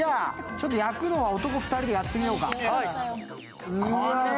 焼くのは男２人でやってみようか。